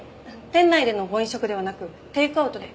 店内でのご飲食ではなくテイクアウトで。